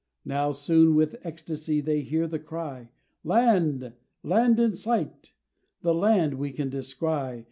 Now soon, with ecstasy, they hear the cry, Land! land in sight! the land we can descry.